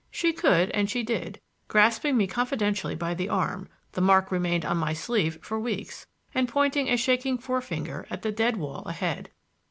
She could and she did, grasping me confidentially by the arm (the mark remained on my sleeve for weeks) and pointing a shaking forefinger at the dead wall ahead.